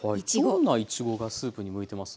どんないちごがスープに向いてます？